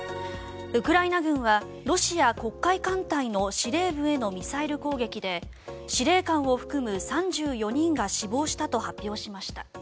ウクライナ軍はロシア黒海艦隊の司令部へのミサイル攻撃で司令官を含む３４人が死亡したと発表しました。